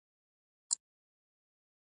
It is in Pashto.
خلک د خوږو نغمو شوق لري.